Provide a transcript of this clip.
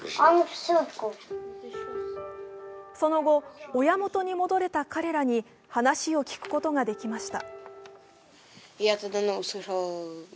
その後、親元に戻れた彼らに話を聞くことができました。